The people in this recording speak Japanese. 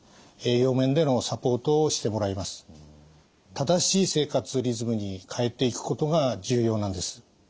正しい生活リズムに変えていくことが重要なんです。